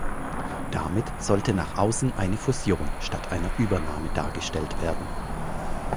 Damit sollte nach außen eine Fusion statt einer Übernahme dargestellt werden.